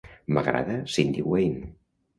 M'agrada Cyndi Wayne.